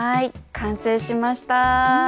完成しました。